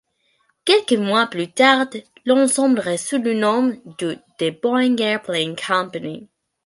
Quelques mois plus tard, l'ensemble reçut le nom de de The Boeing Airplane Company.